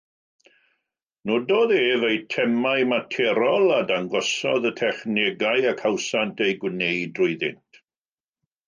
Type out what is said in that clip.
Nododd ef eitemau materol a dangosodd y technegau y cawsant eu gwneud drwyddynt.